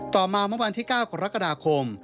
ต่อมาเมื่อวันที่๙กรกฎาคม